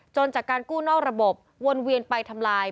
จากการกู้นอกระบบวนเวียนไปทำลาย